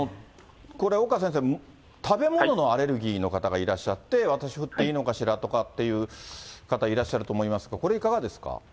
これ岡先生、食べ物のアレルギーの方がいらっしゃって、私、打っていいのかしらとかっていう方、いらっしゃると思いますが、これいかがですか？